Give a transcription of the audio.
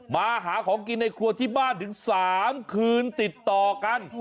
มาหาของกินในครัวที่บ้านถึง๓คืนติดต่อกัน